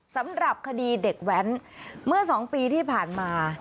สำหรับคดีเด็กแว้นเมื่อ๒ปีที่ผ่านมา